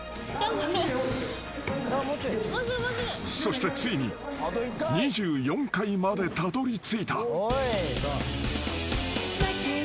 ［そしてついに２４階までたどりついた］